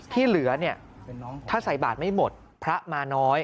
ที่เหลือเนี่ยถ้าใส่บาทไม่หมดพระมาน้อย